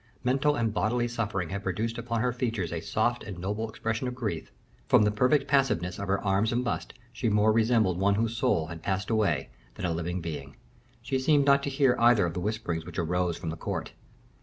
Mental and bodily suffering had produced upon her features a soft and noble expression of grief; from the perfect passiveness of her arms and bust, she more resembled one whose soul had passed away, than a living being; she seemed not to hear either of the whisperings which arose from the court.